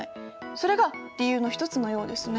それが理由の一つのようですね。